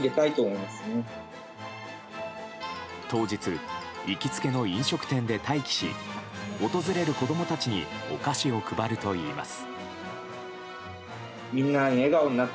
当日行きつけの飲食店で待機し訪れる子供たちにお菓子を配るといいます。